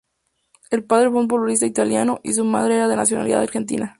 El padre fue un futbolista italiano y su madre era de nacionalidad argentina.